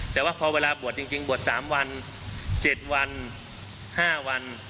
แต่ว่าพอเวลาบวชจริงบวช๓วัน๗วัน๕วัน